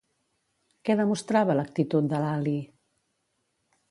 Què demostrava l'actitud de Lalí?